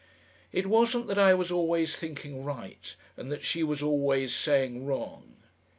It wasn't that I was always thinking right, and that she was always saying wrong.